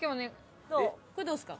これどうですか？